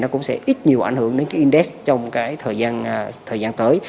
nó cũng sẽ ít nhiều ảnh hưởng đến cái index trong cái thời gian tới